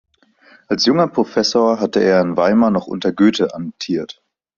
Als junger Professor hatte er in Weimar noch unter Goethe amtiert.